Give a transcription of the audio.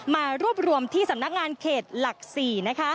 มารวบรวมที่สำนักงานเขตหลัก๔นะคะ